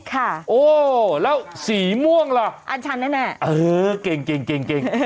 โอ้แล้วสีม่วงล่ะอันชันแน่เออเก่งเก่งเก่ง